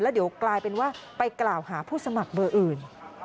เดี๋ยวกลายเป็นว่าไปกล่าวหาผู้สมัครเบอร์อื่น